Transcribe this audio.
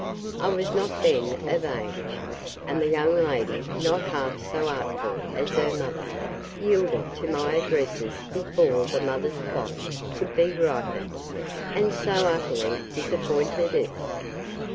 I was not then of age; and the young lady, not half so artful as her mother, yielded to my addresses before the mother's plot could be ripened, and so utterly disappointed it.